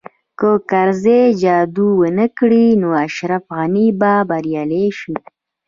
که کرزی جادو ونه کړي نو اشرف غني به بریالی شي